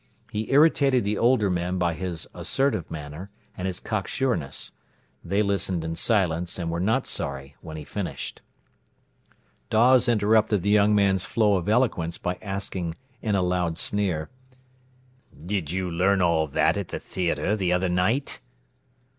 He irritated the older men by his assertive manner, and his cocksureness. They listened in silence, and were not sorry when he finished. Dawes interrupted the young man's flow of eloquence by asking, in a loud sneer: "Did you learn all that at th' theatre th' other night?"